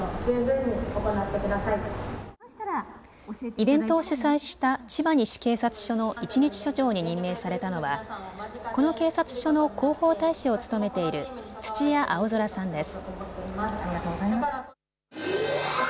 イベントを主催した千葉西警察署の一日署長に任命されたのはこの警察署の広報大使を務めている土屋蒼空さんです。